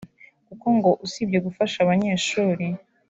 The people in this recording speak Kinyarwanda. kuko ngo usibye gufasha abanyeshuri